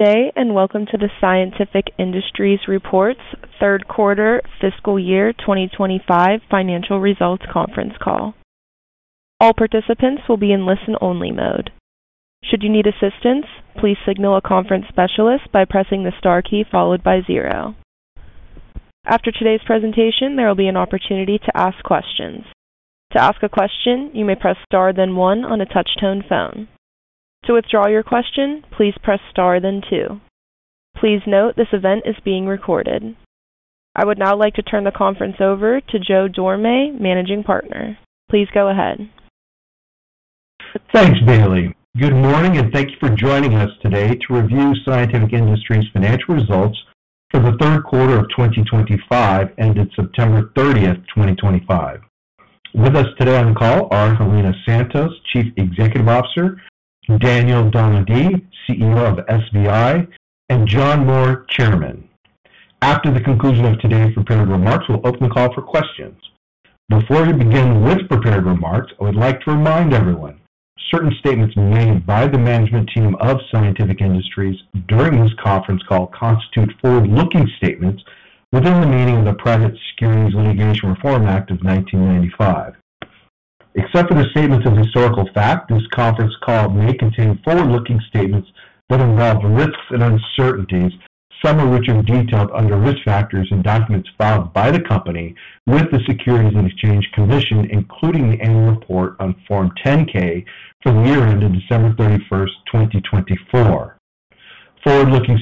Today, and welcome to the Scientific Industries Report's third quarter, fiscal year 2025 financial results conference call. All participants will be in listen-only mode. Should you need assistance, please signal a conference specialist by pressing the star key followed by zero. After today's presentation, there will be an opportunity to ask questions. To ask a question, you may press star then one on a touch-tone phone. To withdraw your question, please press star then two. Please note this event is being recorded. I would now like to turn the conference over to Joe Dorame, Managing Partner. Please go ahead. Thanks, Bailey. Good morning, and thank you for joining us today to review Scientific Industries financial results for the third quarter of 2025 ended September 30, 2025. With us today on the call are Helena Santos, Chief Executive Officer; Daniel Donadio, CEO of SBI; and John Moore, Chairman. After the conclusion of today's prepared remarks, we'll open the call for questions. Before we begin with prepared remarks, I would like to remind everyone certain statements made by the management team of Scientific Industries during this conference call constitute forward-looking statements within the meaning of the Private Securities Litigation Reform Act of 1995. Except for the statements of historical fact, this conference call may contain forward-looking statements that involve risks and uncertainties, some of which are detailed under risk factors in documents filed by the company with the Securities and Exchange Commission, including the annual report on Form 10-K for the year ended December 31, 2024. Forward-looking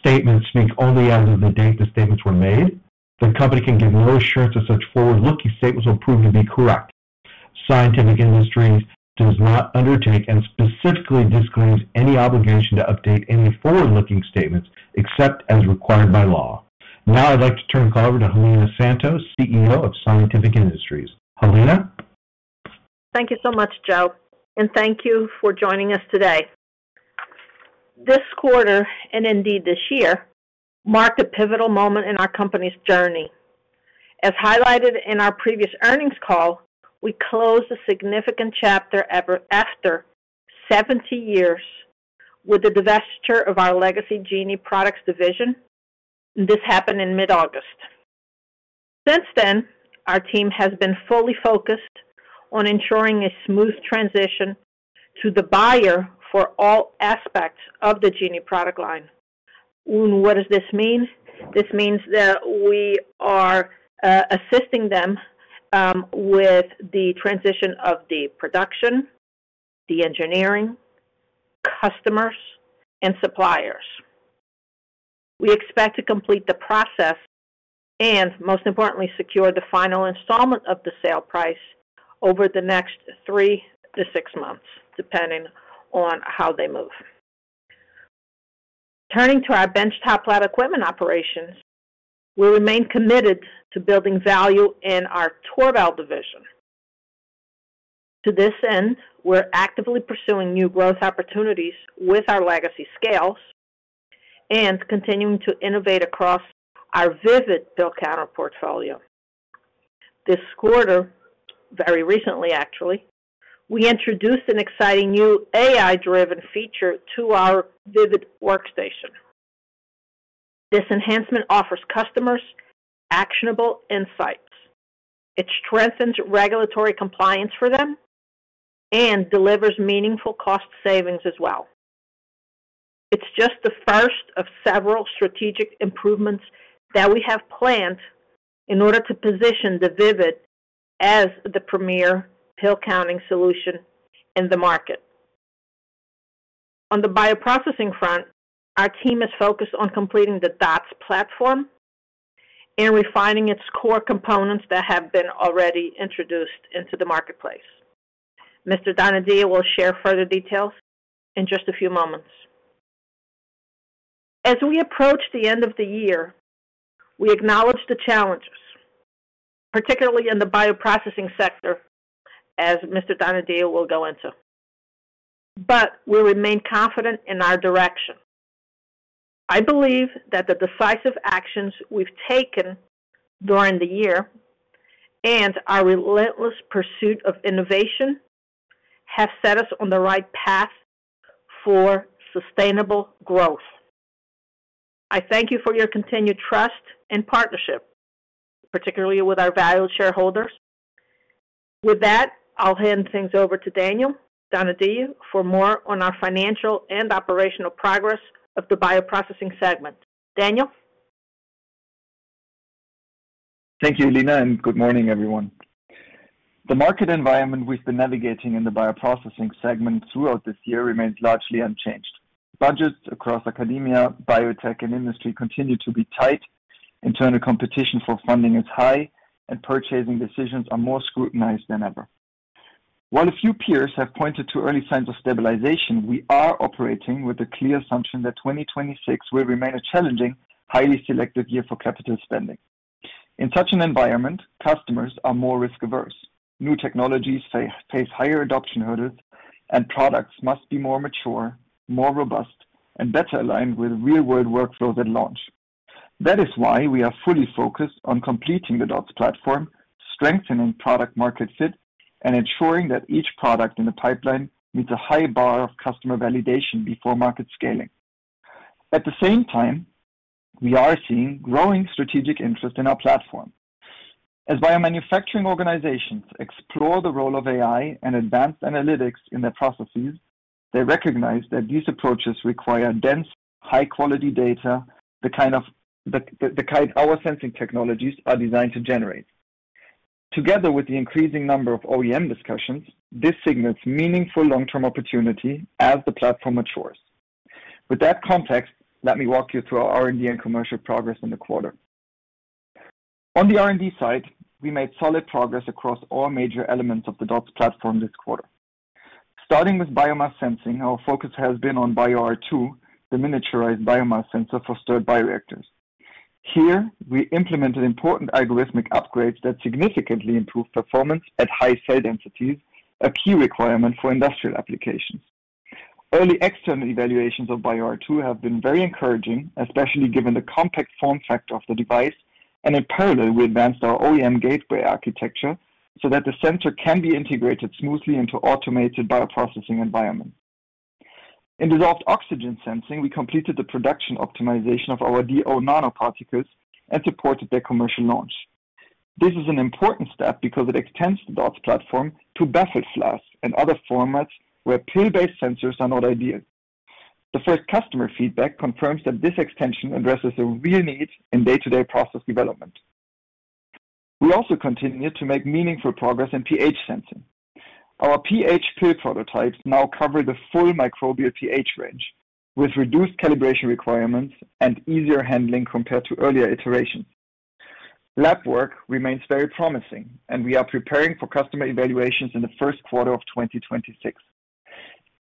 statements speak only as of the date the statements were made. The company can give no assurance that such forward-looking statements will prove to be correct. Scientific Industries does not undertake and specifically disclaims any obligation to update any forward-looking statements except as required by law. Now, I'd like to turn the call over to Helena Santos, CEO of Scientific Industries. Helena? Thank you so much, Joe, and thank you for joining us today. This quarter, and indeed this year, marked a pivotal moment in our company's journey. As highlighted in our previous earnings call, we closed a significant chapter after 70 years with the divestiture of our legacy Genie products division, and this happened in mid-August. Since then, our team has been fully focused on ensuring a smooth transition to the buyer for all aspects of the Genie product line. What does this mean? This means that we are assisting them with the transition of the production, the engineering, customers, and suppliers. We expect to complete the process and, most importantly, secure the final installment of the sale price over the next three to six months, depending on how they move. Turning to our benchtop lab equipment operations, we remain committed to building value in our Torbal division. To this end, we're actively pursuing new growth opportunities with our legacy scales and continuing to innovate across our VIVID pill counter portfolio. This quarter, very recently actually, we introduced an exciting new AI-driven feature to our VIVID workstation. This enhancement offers customers actionable insights. It strengthens regulatory compliance for them and delivers meaningful cost savings as well. It's just the first of several strategic improvements that we have planned in order to position the VIVID as the premier pill counting solution in the market. On the bioprocessing front, our team is focused on completing the DOTS platform and refining its core components that have been already introduced into the marketplace. Mr. Donadio will share further details in just a few moments. As we approach the end of the year, we acknowledge the challenges, particularly in the bioprocessing sector, as Mr. Donadio will go into, but we remain confident in our direction. I believe that the decisive actions we've taken during the year and our relentless pursuit of innovation have set us on the right path for sustainable growth. I thank you for your continued trust and partnership, particularly with our valued shareholders. With that, I'll hand things over to Daniel Donadio for more on our financial and operational progress of the bioprocessing segment. Daniel? Thank you, Helena, and good morning, everyone. The market environment we've been navigating in the bioprocessing segment throughout this year remains largely unchanged. Budgets across academia, biotech, and industry continue to be tight, internal competition for funding is high, and purchasing decisions are more scrutinized than ever. While a few peers have pointed to early signs of stabilization, we are operating with the clear assumption that 2026 will remain a challenging, highly selective year for capital spending. In such an environment, customers are more risk-averse, new technologies face higher adoption hurdles, and products must be more mature, more robust, and better aligned with real-world workflows at launch. That is why we are fully focused on completing the DOTS platform, strengthening product-market fit, and ensuring that each product in the pipeline meets a high bar of customer validation before market scaling. At the same time, we are seeing growing strategic interest in our platform. As biomanufacturing organizations explore the role of AI and advanced analytics in their processes, they recognize that these approaches require dense, high-quality data, the kind our sensing technologies are designed to generate. Together with the increasing number of OEM discussions, this signals meaningful long-term opportunity as the platform matures. With that context, let me walk you through our R&D and commercial progress in the quarter. On the R&D side, we made solid progress across all major elements of the DOTS platform this quarter. Starting with biomass sensing, our focus has been on BioR2, the miniaturized biomass sensor for STIR bioreactors. Here, we implemented important algorithmic upgrades that significantly improved performance at high cell densities, a key requirement for industrial applications. Early external evaluations of BioR2 have been very encouraging, especially given the compact form factor of the device, and in parallel, we advanced our OEM gateway architecture so that the sensor can be integrated smoothly into automated bioprocessing environments. In dissolved oxygen sensing, we completed the production optimization of our DO nanoparticles and supported their commercial launch. This is an important step because it extends the DOTS platform to buffered flasks and other formats where pill-based sensors are not ideal. The first customer feedback confirms that this extension addresses a real need in day-to-day process development. We also continue to make meaningful progress in pH sensing. Our pH pill prototypes now cover the full microbial pH range with reduced calibration requirements and easier handling compared to earlier iterations. Lab work remains very promising, and we are preparing for customer evaluations in the first quarter of 2026.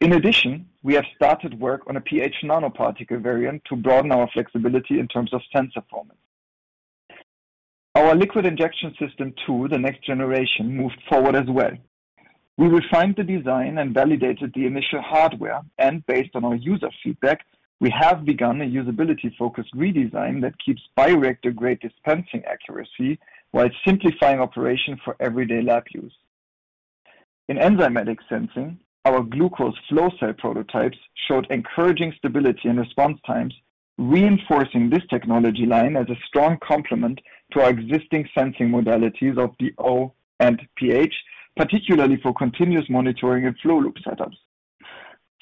In addition, we have started work on a pH nanoparticle variant to broaden our flexibility in terms of sensor formats. Our liquid injection system to the next generation moved forward as well. We refined the design and validated the initial hardware, and based on our user feedback, we have begun a usability-focused redesign that keeps bioreactor-grade dispensing accuracy while simplifying operation for everyday lab use. In enzymatic sensing, our glucose flow cell prototypes showed encouraging stability and response times, reinforcing this technology line as a strong complement to our existing sensing modalities of DO and pH, particularly for continuous monitoring and flow loop setups.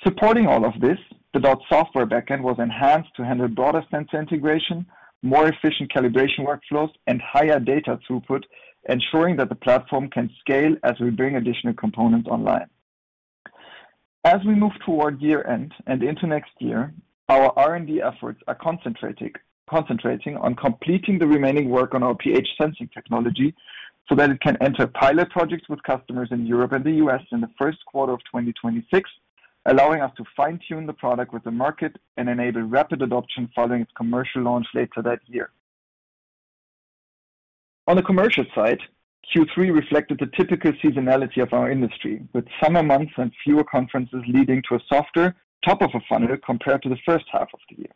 Supporting all of this, the DOTS software backend was enhanced to handle broader sensor integration, more efficient calibration workflows, and higher data throughput, ensuring that the platform can scale as we bring additional components online. As we move toward year end and into next year, our R&D efforts are concentrating on completing the remaining work on our pH sensing technology so that it can enter pilot projects with customers in Europe and the US in the first quarter of 2026, allowing us to fine-tune the product with the market and enable rapid adoption following its commercial launch later that year. On the commercial side, Q3 reflected the typical seasonality of our industry, with summer months and fewer conferences leading to a softer top of the funnel compared to the first half of the year.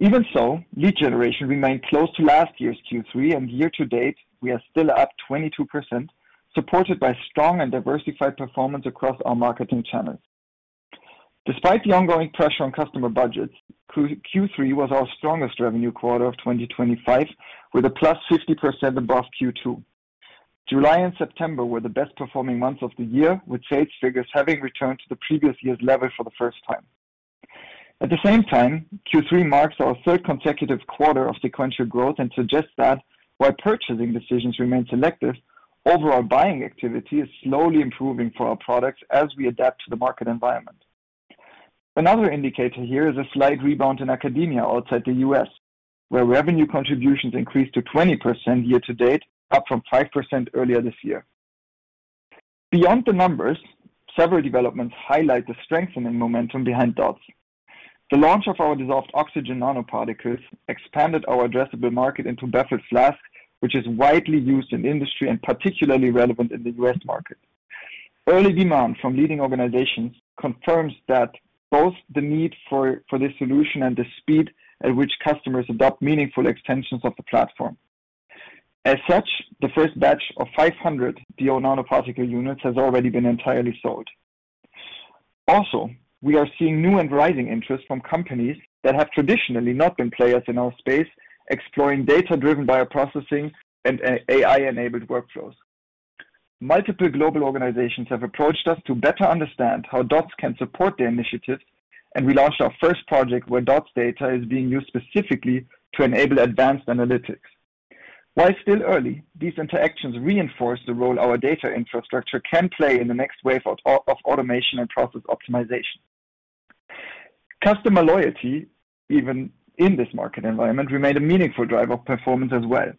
Even so, lead generation remained close to last year's Q3, and year-to-date, we are still up 22%, supported by strong and diversified performance across our marketing channels. Despite the ongoing pressure on customer budgets, Q3 was our strongest revenue quarter of 2025, with a plus 50% above Q2. July and September were the best-performing months of the year, with sales figures having returned to the previous year's level for the first time. At the same time, Q3 marks our third consecutive quarter of sequential growth and suggests that while purchasing decisions remain selective, overall buying activity is slowly improving for our products as we adapt to the market environment. Another indicator here is a slight rebound in academia outside the U.S., where revenue contributions increased to 20% year-to-date, up from 5% earlier this year. Beyond the numbers, several developments highlight the strengthening momentum behind DOTS. The launch of our dissolved oxygen nanoparticles expanded our addressable market into buffered flasks, which is widely used in industry and particularly relevant in the U.S. market. Early demand from leading organizations confirms that both the need for this solution and the speed at which customers adopt meaningful extensions of the platform. As such, the first batch of 500 DO nanoparticle units has already been entirely sold. Also, we are seeing new and rising interest from companies that have traditionally not been players in our space, exploring data-driven bioprocessing and AI-enabled workflows. Multiple global organizations have approached us to better understand how DOTS can support their initiatives, and we launched our first project where DOTS data is being used specifically to enable advanced analytics. While still early, these interactions reinforce the role our data infrastructure can play in the next wave of automation and process optimization. Customer loyalty, even in this market environment, remained a meaningful driver of performance as well.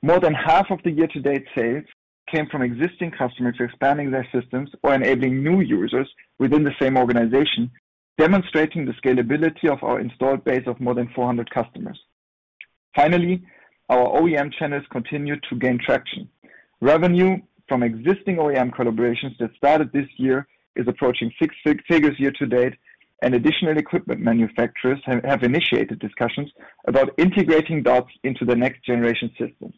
More than half of the year-to-date sales came from existing customers expanding their systems or enabling new users within the same organization, demonstrating the scalability of our installed base of more than 400 customers. Finally, our OEM channels continue to gain traction. Revenue from existing OEM collaborations that started this year is approaching six figures year-to-date, and additional equipment manufacturers have initiated discussions about integrating DOTS into the next generation systems.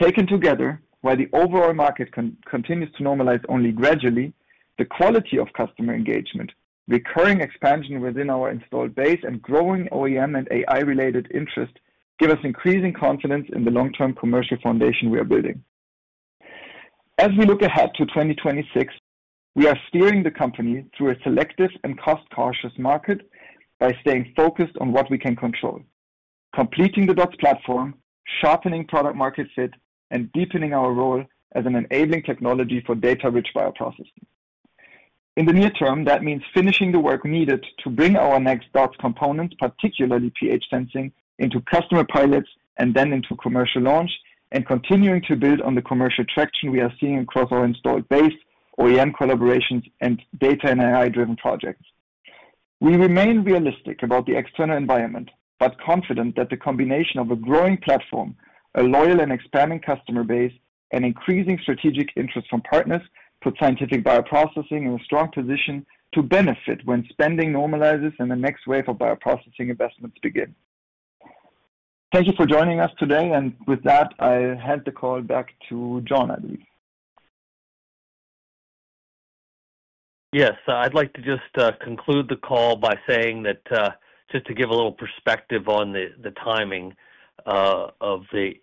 Taken together, while the overall market continues to normalize only gradually, the quality of customer engagement, recurring expansion within our installed base, and growing OEM and AI-related interest give us increasing confidence in the long-term commercial foundation we are building. As we look ahead to 2026, we are steering the company through a selective and cost-cautious market by staying focused on what we can control: completing the DOTS platform, sharpening product-market fit, and deepening our role as an enabling technology for data-rich bioprocessing. In the near term, that means finishing the work needed to bring our next DOTS components, particularly pH sensing, into customer pilots and then into commercial launch, and continuing to build on the commercial traction we are seeing across our installed base, OEM collaborations, and data and AI-driven projects. We remain realistic about the external environment, but confident that the combination of a growing platform, a loyal and expanding customer base, and increasing strategic interest from partners puts Scientific Bioprocessing in a strong position to benefit when spending normalizes and the next wave of bioprocessing investments begins. Thank you for joining us today, and with that, I'll hand the call back to John, I believe. Yes, I'd like to just conclude the call by saying that just to give a little perspective on the timing of the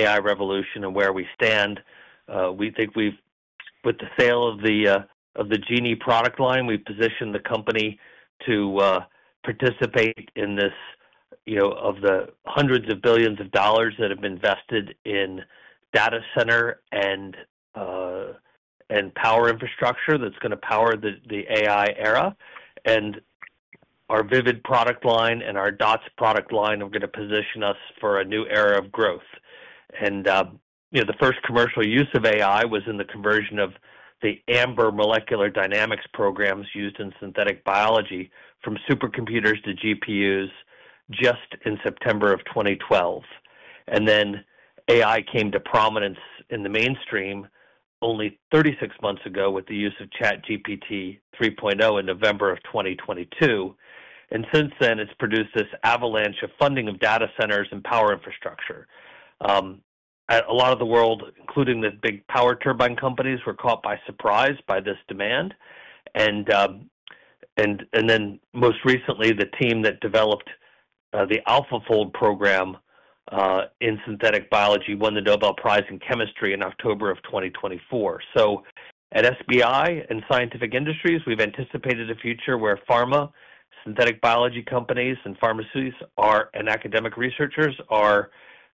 AI revolution and where we stand, we think with the sale of the Genie product line, we've positioned the company to participate in this of the hundreds of billions of dollars that have been invested in data center and power infrastructure that's going to power the AI era. Our VIVID product line and our DOTS product line are going to position us for a new era of growth. The first commercial use of AI was in the conversion of the amber molecular dynamics programs used in synthetic biology from supercomputers to GPUs just in September of 2012. AI came to prominence in the mainstream only 36 months ago with the use of ChatGPT 3.0 in November of 2022. Since then, it's produced this avalanche of funding of data centers and power infrastructure. A lot of the world, including the big power turbine companies, were caught by surprise by this demand. Most recently, the team that developed the AlphaFold program in synthetic biology won the Nobel Prize in Chemistry in October of 2024. At SBI and Scientific Industries, we've anticipated a future where pharma, synthetic biology companies, pharmacies, and academic researchers are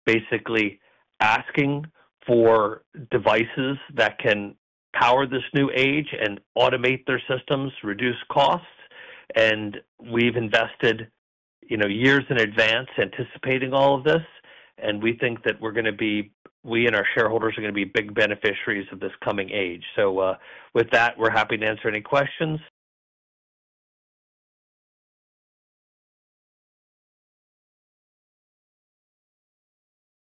basically asking for devices that can power this new age and automate their systems, reduce costs. We've invested years in advance anticipating all of this, and we think that we and our shareholders are going to be big beneficiaries of this coming age. With that, we're happy to answer any questions.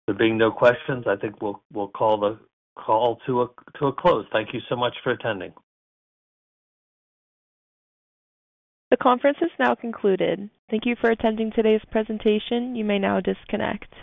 There being no questions, I think we'll call the call to a close. Thank you so much for attending. The conference has now concluded. Thank you for attending today's presentation. You may now disconnect.